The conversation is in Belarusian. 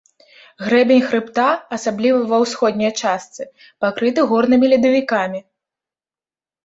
Грэбень хрыбта, асабліва ва ўсходняй частцы, пакрыты горнымі ледавікамі.